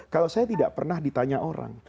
kalau saya tidak pernah ditanya orang